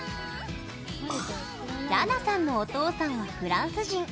らなさんのお父さんはフランス人。